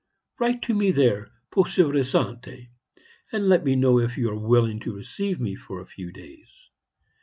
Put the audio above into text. Write to me there, Poste Restante, and let me know if you are willing to receive me for a few days.